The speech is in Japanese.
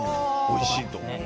おいしいと。